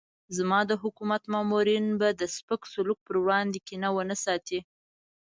زما د حکومت مامورین به د سپک سلوک پر وړاندې کینه ونه ساتي.